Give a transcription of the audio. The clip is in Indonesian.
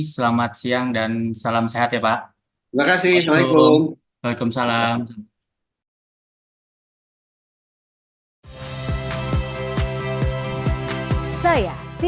selamat siang dan salam sehat ya pak